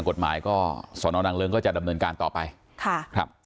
ความเสียใจด้วยครับ